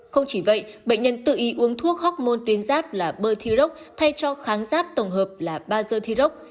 không chỉ vậy bệnh nhân tự ý uống thuốc học môn tuyến giáp là bơ thi rốc thay cho kháng giáp tổng hợp là ba dơ thi rốc